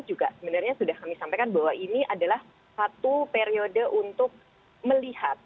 juga sebenarnya sudah kami sampaikan bahwa ini adalah satu periode untuk melihat